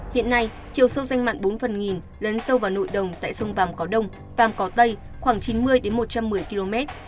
hiện nay chiều sâu danh mặn bốn phần nghìn lấn sâu vào nội đồng tại sông vàm cỏ đông vàm cỏ tây khoảng chín mươi một trăm một mươi km